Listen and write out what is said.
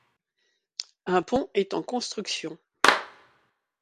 Un pont est en construction.